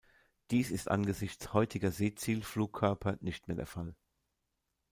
Dies ist angesichts heutiger Seezielflugkörper nicht mehr der Fall.